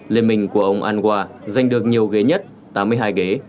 liên minh của ông angoa giành được nhiều ghế nhất tám mươi hai ghế